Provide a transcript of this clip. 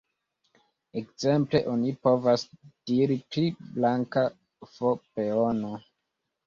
Ekzemple, oni povas diri pri "blanka f-peono".